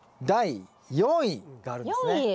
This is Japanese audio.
第４位があるんですね。